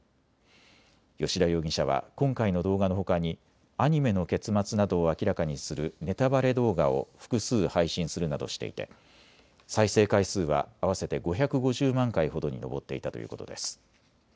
吉田容疑者は今回の動画のほかにアニメの結末などを明らかにするネタバレ動画を複数、配信するなどしていて再生回数は合わせて５５０万回ほどに上っていたということです。